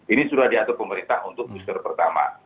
ini sudah diatur pemerintah untuk booster pertama